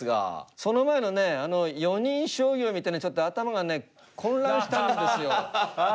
その前のね４人将棋を見てねちょっと頭がね混乱したんですよ。